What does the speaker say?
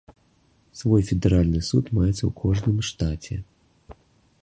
Свой федэральны суд маецца ў кожным штаце.